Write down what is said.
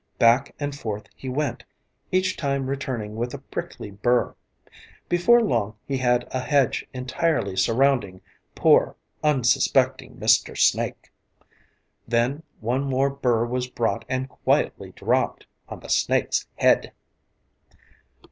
Back and forth he went, each time returning with a prickly burr. Before long he had a hedge entirely surrounding poor, unsuspecting Mr. Snake. Then one more burr was brought and quietly dropped on the snake's head.